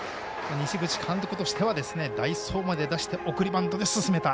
西口監督としては代走まで出して送りバントで進めた。